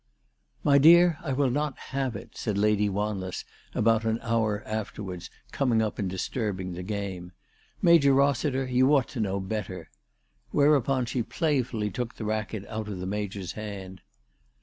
" My dear, I will not have it," said. Lady Wanless about an hour afterwards, coming up and disturbing the game. " Major Eossiter, you ought to know better." Whereupon she playfully took the racket out of the Major's hand.